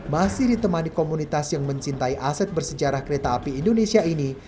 masih ditemani komunitas yang mencintai aset bersejarah kereta api indonesia ini